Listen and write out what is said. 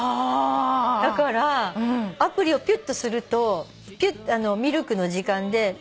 だからアプリをぴゅっとするとミルクの時間で。